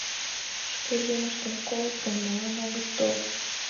— Шке лӱмыштым колыт гын, молан огыт тол.